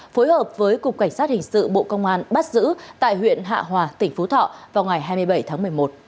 phối hợp với cục cảnh sát hình sự bộ công an bắt giữ tại huyện hạ hòa tỉnh phú thọ vào ngày hai mươi bảy tháng một mươi một